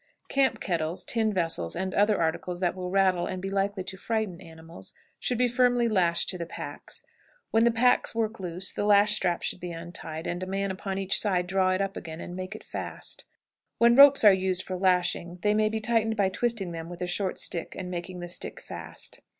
Camp kettles, tin vessels, and other articles that will rattle and be likely to frighten animals, should be firmly lashed to the packs. When the packs work loose, the lash strap should be untied, and a man upon each side draw it up again and make it fast. When ropes are used for lashing, they may be tightened by twisting them with a short stick and making the stick fast.